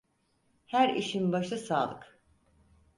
Her işin başı sağlık.